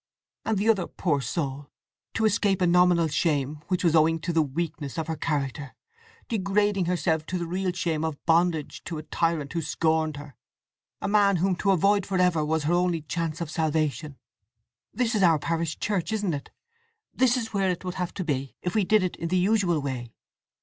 And the other poor soul—to escape a nominal shame which was owing to the weakness of her character, degrading herself to the real shame of bondage to a tyrant who scorned her—a man whom to avoid for ever was her only chance of salvation… This is our parish church, isn't it? This is where it would have to be, if we did it in the usual way?